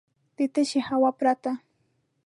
د تشې هوا پرته .